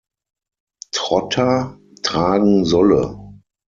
Trotter" tragen solle.